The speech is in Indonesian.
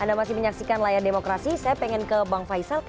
anda masih menyaksikan layar demokrasi saya pengen ke bang faisal